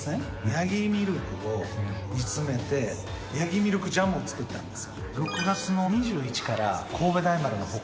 やぎミルクを煮詰めてやぎミルクジャムを作ったんです。